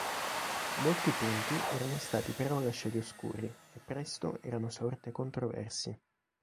Molti punti erano stati però lasciati oscuri e presto erano sorte controversie.